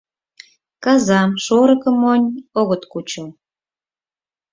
Казам, шорыкым мойн огыт кучо.